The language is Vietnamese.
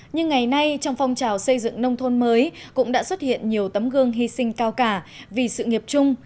nhưng ngày nay trong phong trào xây dựng nông thôn mới cũng đã xuất hiện nhiều tấm gương hy sinh cao cả vì sự nghiệp chung